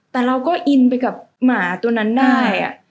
แต่เราก็อินไปกับหมาตัวนั้นได้